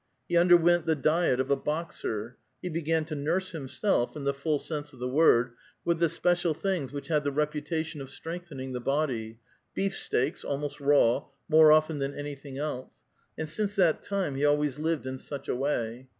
He underwent the diet of a boxer. He began to nurse himself, in the full sense of the word, with the special things which had the reputation of strengthening the body, — beefsteaks, almost raw, more often than anything' else ; and since that time he always lived in such a way.